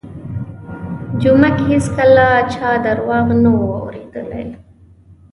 جومک هېڅکله چا درواغ نه وو اورېدلي.